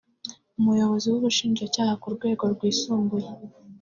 Umuyobozi w’ubushinjacyaha ku rwego rwisumbuye